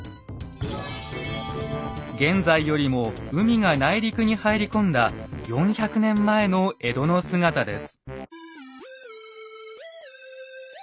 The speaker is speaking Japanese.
現在よりも海が内陸に入り込んだ４００年前の江戸の姿です。